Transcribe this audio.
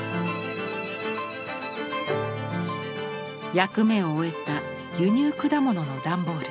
役目を終えた輸入果物の段ボール。